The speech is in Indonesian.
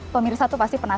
pemirsa tuh pasti penasaran